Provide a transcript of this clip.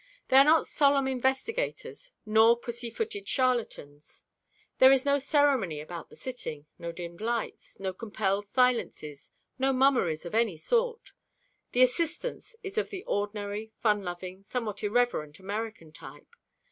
They are not solemn investigators nor "pussy footed" charlatans. There is no ceremony about the sitting, no dimmed lights, no compelled silences, no mummeries of any sort. The assistance is of the ordinary, fun loving, somewhat irreverent American type.